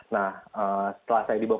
nah setelah saya dibawa